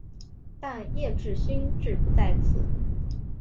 但叶明勋志不在此。